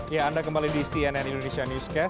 ya anda kembali di cnn indonesia newscast